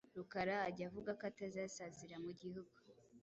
Rukara ajya avuga ko atazasazira mu gihugu.